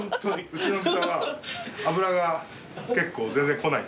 うちの豚は脂が結構全然こない。